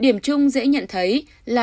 điểm chung dễ nhận thấy là